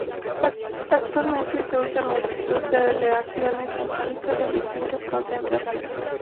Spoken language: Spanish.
Actualmente, se usan multitud de aleaciones metálicas en distintas concentraciones.